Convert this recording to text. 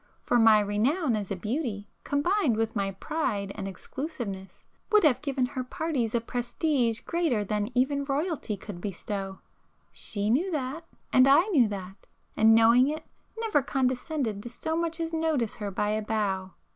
For my renown as a 'beauty' combined with my pride and exclusiveness, would have given her parties a prestige greater than even Royalty could bestow,—she knew that and I knew that,—and knowing it, never condescended to so much as notice her by a bow.